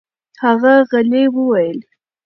هغه غلې وویل: